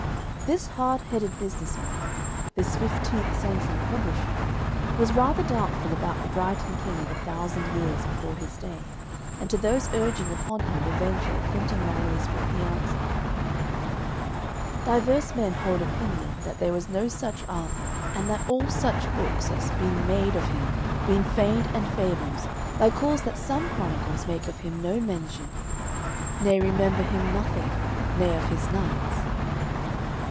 This hard headed business man, this fifteenth century publisher, was rather doubtful about the Briton king of a thousand years before his day, and to those urging upon him the venture of printing Malory's book he answered: "Dyuers men holde oppynyon that there was no suche Arthur and that alle suche bookes as been maad of hym ben fayned and fables by cause that somme cronycles make of him no mencyon ne remember him noo thynge ne of his knyghtes."